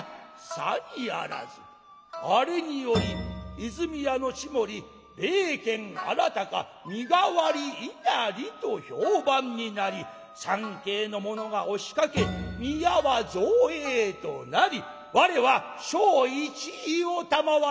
「さにあらずあれにより和泉屋の地守霊験あらたか身代わり稲荷と評判になり参詣の者が押しかけ宮は造営となり我は正一位を賜った」。